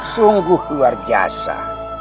sungguh luar jasa